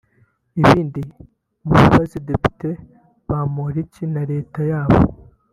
ibindi mubibaze depite Bamporiki na Leta yabo